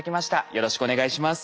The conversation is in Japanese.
よろしくお願いします。